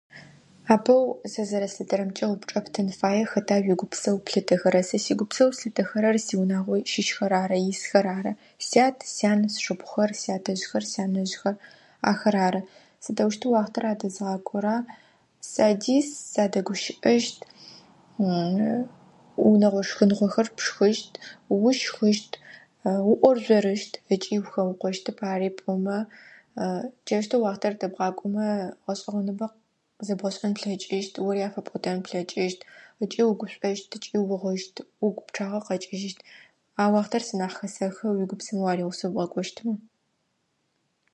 "Апэу сэ зэрэслъытэрэмкӏэ упчӏэ птын фае: ""Хэта уигупсэу плъытэхэрэр?"". Сэ сигупсэу слъытэхэрэр сиунагъо щыщхэр ары, исхэр ары: сят, сян, сшъыпхъухэр, сятэжъхэр, сянэжъхэ ахэр ары. Сыдэущтэу уахътэр адэзгъакӏора: садис, садэгущыӏэщт, унэгъо шхыныгъохэр пшхыщт, ущхыщт, уӏоржъорыщт ыкӏи ухэукъощтэп ари пӏомэ. Джаущтэу уахътэр дэбгъакӏомэ гъэшӏэгъоныбэ къызэбгъэшӏэн плъэкӏыщт, ори афэпӏотэн плъэкӏыщт. Ыкӏи угушӏощт, ыкӏи угъыщт. Угу пчъагъэ къэкӏыжьыщт. А уахътэр сэ нахь хэсэхы, уигупсэмэ уаригъусэу бгъэкӏощтмэ."